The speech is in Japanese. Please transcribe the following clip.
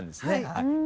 はい。